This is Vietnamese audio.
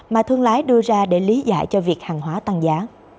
mà thương lái đưa ra để lý giải cho việc hàng hóa tăng giá